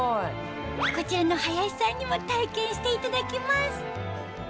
こちらの林さんにも体験していただきます